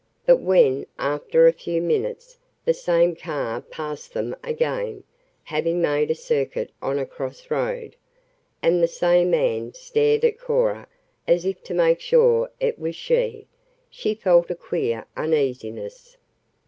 But when, after a few minutes, the same car passed them again, having made a circuit on a crossroad, and the same man stared at Cora as if to make sure it was she, she felt a queer uneasiness.